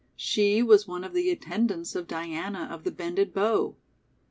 She was one of the attendants of Diana of the Bended Bow.